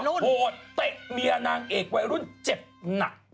โหดเตะเมียนางเอกวัยรุ่นเจ็บหนัก